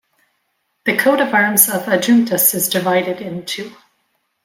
The coat of arms of Adjuntas is divided in two.